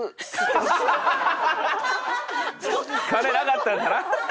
金なかったのかな？